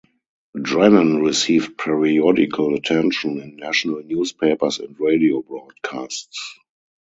Drennan received periodical attention in national newspapers and radio broadcasts.